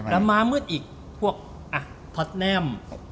แล้วมามืดอีกพวกท็อตแนม